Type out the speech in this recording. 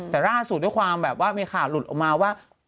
แต่ล่าสุดด้วยความแบบว่ามีข่าวหลุดออกมาว่า